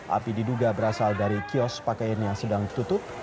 api diduga berasal dari kios pakaian yang sedang ditutup